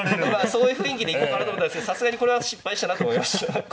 そういう雰囲気でいこうかなと思ったんですけどさすがにこれは失敗したなと思いました。